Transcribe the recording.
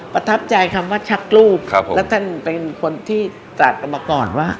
ประทับใจคำว่าชักรูปครับผมและท่านเป็นคนที่ตัดกันมาก่อนว่า